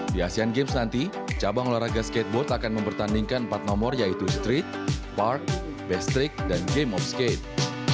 di asean games nanti cabang olahraga skateboard akan mempertandingkan empat nomor yaitu street park best trick dan game of skate